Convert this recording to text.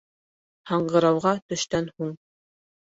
Һаңғырауға төштән һуң.